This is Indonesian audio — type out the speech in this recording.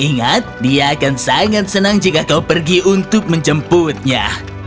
ingat dia akan sangat senang jika kau pergi untuk menjemputnya